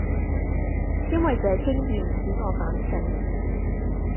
因爲這經驗使我反省，